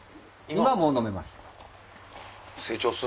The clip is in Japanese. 今もう飲めます。